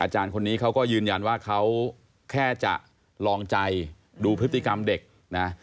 คนนี้เขาก็ยืนยันว่าเขาแค่จะลองใจดูพฤติกรรมเด็กนะ